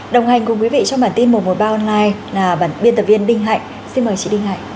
đồng hành cùng quý vị trong bản tin một trăm một mươi ba online là bản biên tập viên đinh hạnh xin mời chị đinh hạnh